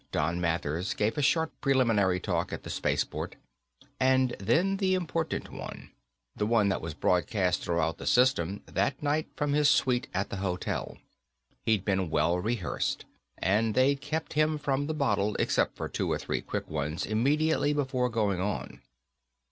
Don Mathers gave a short preliminary talk at the spaceport, and then the important one, the one that was broadcast throughout the system, that night from his suite at the hotel. He'd been well rehearsed, and they'd kept him from the bottle except for two or three quick ones immediately before going on.